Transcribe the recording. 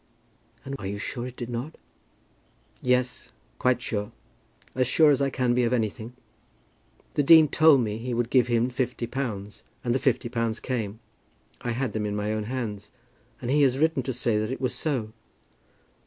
"And are you sure it did not?" "Yes; quite sure; as sure as I can be of anything. The dean told me he would give him fifty pounds, and the fifty pounds came. I had them in my own hands. And he has written to say that it was so."